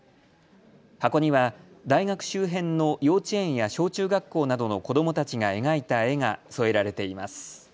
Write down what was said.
箱には大学周辺の幼稚園や小中学校などの子どもたちが描いた絵が添えられています。